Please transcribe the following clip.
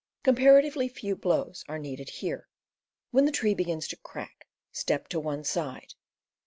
Comparatively few blows are needed here. When the tree begins to crack, step to one side.